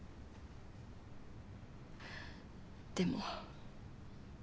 でも。